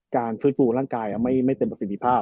การฟื้นฟูร่างกายไม่เต็มประสิทธิภาพ